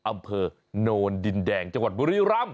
อำเภอโนนดินแดงจังหวัดบุรีรำ